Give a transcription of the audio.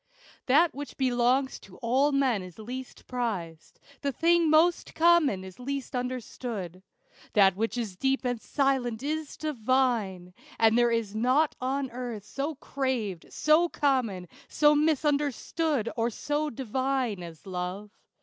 That which belongs to all men is least prized; The thing most common is least understood. That which is deep and silent is divine; And there is nought on earth so craved, so common, So misunderstood, or so divine, as Love.